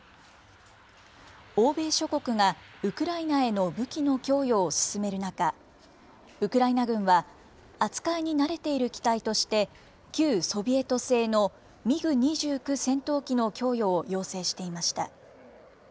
欧米諸国がウクライナへの武器の供与を進める中、ウクライナ軍は、扱いに慣れている機体として、旧ソビエト製のミグ２９戦闘機の供与を要請していました。